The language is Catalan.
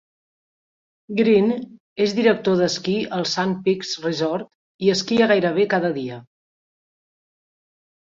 Greene és director d'esquí al Sun Peaks Resort i esquia gairebé cada dia.